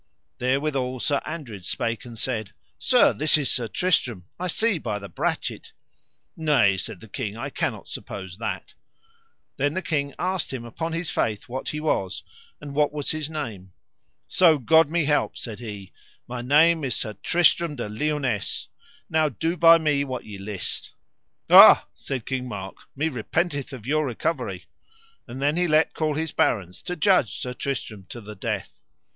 There withal Sir Andred spake and said: Sir, this is Sir Tristram, I see by the brachet. Nay, said the king, I cannot suppose that. Then the king asked him upon his faith what he was, and what was his name. So God me help, said he, my name is Sir Tristram de Liones; now do by me what ye list. Ah, said King Mark, me repenteth of your recovery. And then he let call his barons to judge Sir Tristram to the death.